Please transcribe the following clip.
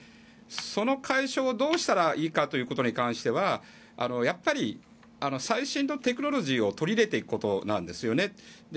その解消をどうしたらいいかということに関してはやっぱり最新のテクノロジーを取り入れていくことなんですよ。